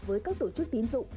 với các tổ chức tín dụng